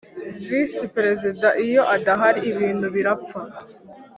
Visi Perezida iyo adahari ibintu birapfa